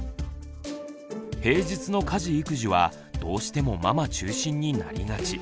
平日の家事育児はどうしてもママ中心になりがち。